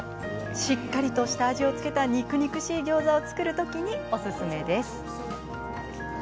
しっかりと下味を付けた肉々しいギョーザを作るときにおすすめです。